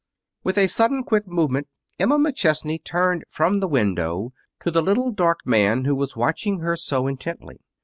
With a sudden, quick movement Emma McChesney turned from the window to the little dark man who was watching her so intently.